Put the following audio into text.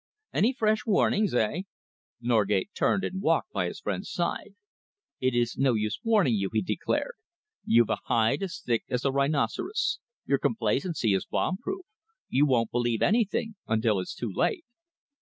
"Any fresh warnings, eh?" Norgate turned and walked by his friend's side. "It is no use warning you," he declared. "You've a hide as thick as a rhinoceros. Your complacency is bomb proof. You won't believe anything until it's too late."